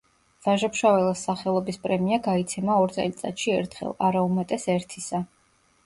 ვაჟა-ფშაველას სახელობის პრემია გაიცემა ორ წელიწადში ერთხელ, არა უმეტეს ერთისა.